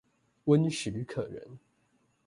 溫煦可人